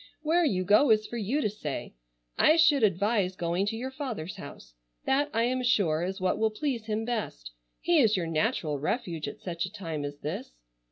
Where you go is for you to say. I should advise going to your father's house. That I am sure is what will please him best. He is your natural refuge at such a time as this.